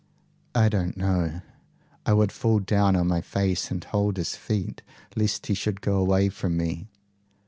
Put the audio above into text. "I don't know. I would fall down on my face and hold his feet lest he should go away from me."